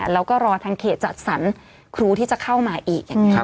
แล้วก็รอทางเขตจัดสรรคุณที่จะเข้ามาอีก